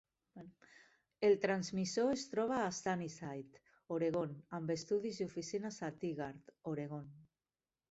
El transmissor es troba a Sunnyside, Oregon, amb estudis i oficines a Tigard, Oregon.